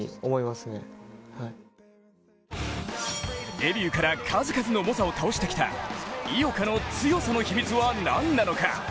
デビューから数々の猛者を倒してきた井岡の強さの秘密は、なんなのか？